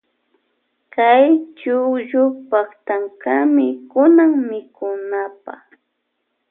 Kay chukllu paktankami kunan mikunapa.